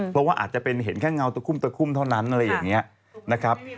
เพราะว่าอาจจะเป็นเห็นแค่เงาตะคุ้มเท่านั้น